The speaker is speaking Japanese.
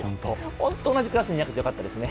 本当に同じクラスにいなくてよかったですね。